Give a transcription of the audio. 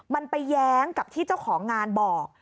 มันไปแย้งกับที่เจ้าของงานบอก